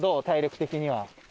体力的には。